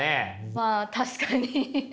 まあ確かに。